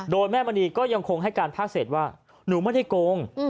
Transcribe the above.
โดยแม่มณีก็ยังคงให้การภาคเศษว่าหนูไม่ได้โกง